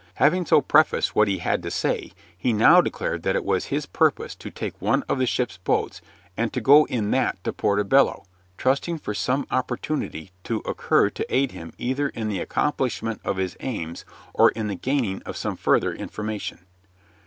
Having so prefaced what he had to say, he now declared that it was his purpose to take one of the ship's boats and to go in that to Porto Bello, trusting for some opportunity to occur to aid him either in the accomplishment of his aims or in the gaining of some further information.